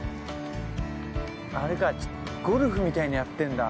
あれかゴルフみたいのやってんだ。